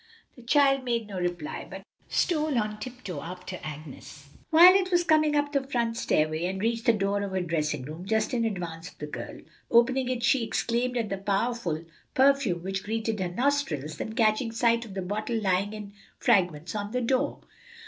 The child made no reply, but stole on tiptoe after Agnes. Violet was coming up the front stairway, and reached the door of her dressing room, just in advance of the girl. Opening it she exclaimed at the powerful perfume which greeted her nostrils, then catching sight of the bottle lying in fragments on the floor.